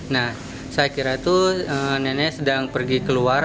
nah saya kira itu nenek sedang pergi keluar